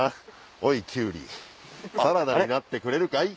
おいキュウリサラダになってくれるかい？